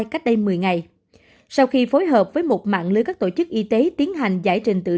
ba trăm một mươi hai cách đây một mươi ngày sau khi phối hợp với một mạng lưới các tổ chức y tế tiến hành giải trình tự